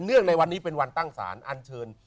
ในวันนี้เป็นวันตั้งศาลอันเชิญ